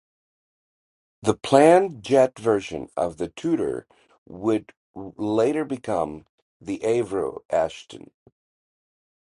The planned jet version of the Tudor would later become the Avro Ashton.